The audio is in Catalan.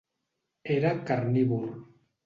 Era carnívor.